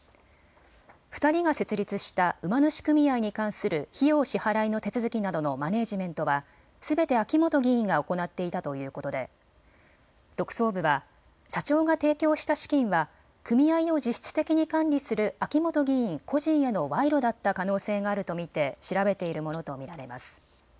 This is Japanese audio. ２人が設立した馬主組合に関する費用支払いの手続きなどのマネージメントはすべて秋本議員が行っていたということで特捜部は社長が提供した資金は組合を実質的に管理する秋本議員個人への賄賂だった可能性があると見て調べているものと見られます。